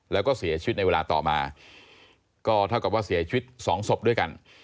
แล้วก็เสียชีวิตในเวลาต่อมาก็เท่ากับว่าเสียชีวิตสองศพด้วยกัน